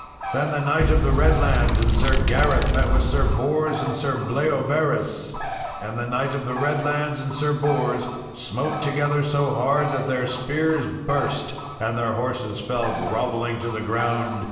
Then the Knight of the Redlands and Sir Gareth met with Sir Bors and Sir Bleoberis; and the Knight of the Redlands and Sir Bors smote together so hard that their spears burst, and their horses fell grovelling to the ground.